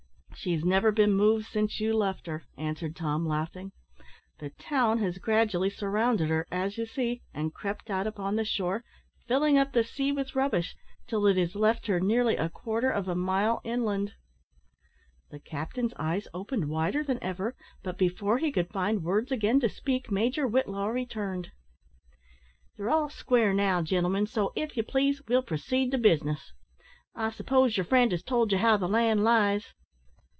"She's never been moved since you left her," answered Tom, laughing; "the town has gradually surrounded her, as you see, and crept out upon the shore, filling up the sea with rubbish, till it has left her nearly a quarter of a mile inland." The captain's eyes opened wider than ever, but before he could find words again to speak, Major Whitlaw returned. "They're all square now, gentlemen, so, if you please, we'll proceed to business. I suppose your friend has told you how the land lies?"